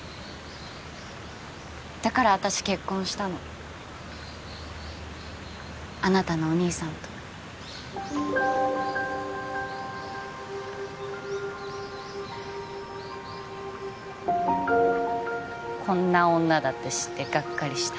だから私結婚したのあなたのお兄さんとこんな女だって知ってがっかりした？